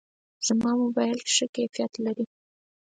زما موبایل ښه کیفیت لري.